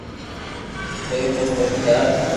ڪوئي تو سوچ يار